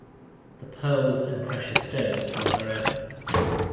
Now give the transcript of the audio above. The pearls and precious stones were her own.